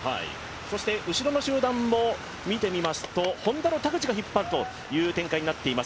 そして後ろの集団も見てみますと、Ｈｏｎｄａの田口が引っ張るという展開になっています。